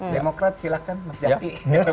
demokrat silahkan mas jati